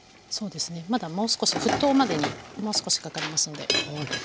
そうですねまだもう少し沸騰までにもう少しかかりますので。